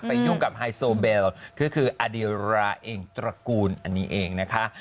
ยุ่งกับไฮโซเบลก็คืออดีราเองตระกูลอันนี้เองนะคะ